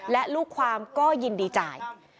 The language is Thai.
และลูกความก็ยินดีจ่าย